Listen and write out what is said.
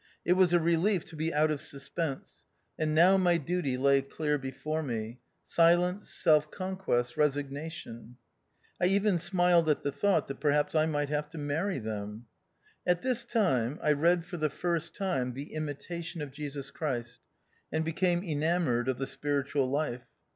It was a relief to be out of suspense, and now my duty lay clear before me ; silence, self con quest, resignation. I even smiled at the thought, that perhaps I might have to marry them. At this time I read for the first time the Imitation of Jesus Christ, and became enamoured of the spiritual life.